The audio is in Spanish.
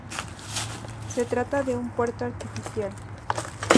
Se trata de un puerto artificial.